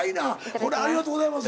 これありがとうございます。